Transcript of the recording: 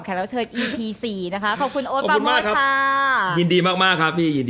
ผ่าพอละเล่น